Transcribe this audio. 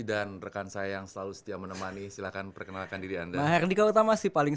dan rekan saya yang selalu setia menemani silahkan perkenalkan diri anda nah yang dikatakan si paling